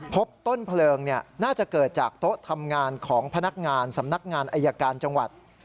พบต้นเพลิงน่าจะเกิดจากโต๊ะทำงานของพนักงานสำนักงานอายการจังหวัด